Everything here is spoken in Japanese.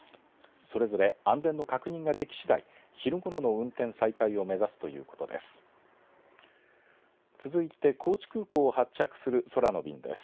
それぞれ安全の確認ができしだい昼ごろの運転再開を目指すということです。